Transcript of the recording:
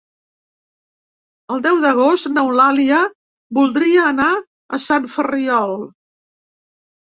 El deu d'agost n'Eulàlia voldria anar a Sant Ferriol.